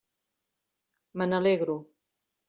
Me n'alegro.